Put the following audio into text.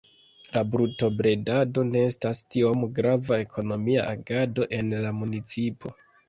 La brutobredado ne estas tiom grava ekonomia agado en la municipo.